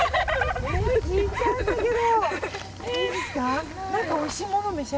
聞いちゃうんだけど。